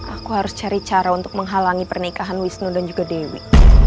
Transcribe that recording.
aku harus cari cara untuk menghalangi pernikahan wisnu dan juga dewi